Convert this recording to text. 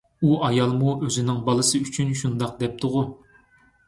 ئۇ ئايالمۇ ئۆزىنىڭ بالىسى ئۈچۈن شۇنداق دەپتىغۇ؟